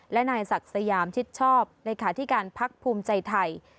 และนายศักดิ์สยามชิดชอบเลขาธิการพักภูมิใจไทย